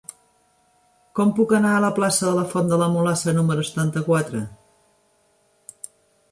Com puc anar a la plaça de la Font de la Mulassa número setanta-quatre?